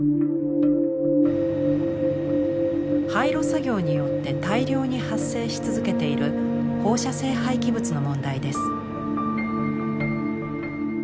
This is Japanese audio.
廃炉作業によって大量に発生し続けている放射性廃棄物の問題です。